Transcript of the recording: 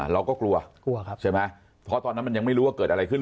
เราก็กลัวกลัวครับใช่ไหมเพราะตอนนั้นมันยังไม่รู้ว่าเกิดอะไรขึ้น